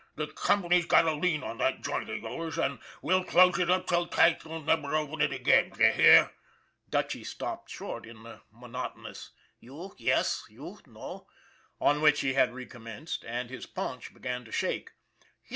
The company's got a lien on that joint of yours, and we'll close it up so tight you'll never open it again d'ye hear?" Dutchy stopped short in the monotonous, " You, yess; you, no," on which he had recommenced, and his paunch began to shake. "Yah!"